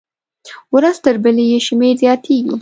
ورځ تر بلې یې شمېر زیاتېږي.